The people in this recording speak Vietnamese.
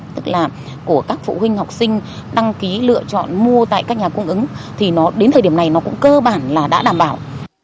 tức là của các phụ huynh học sinh đăng ký lựa chọn mua tại các nhà cung ứng thì nó đến thời điểm này nó cũng cơ bản là đã đảm bảo